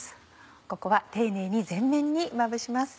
ここは丁寧に全面にまぶします。